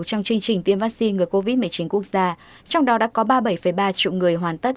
trong chương trình tiêm vaccine ngừa covid một mươi chín quốc gia trong đó đã có ba mươi bảy ba triệu người hoàn tất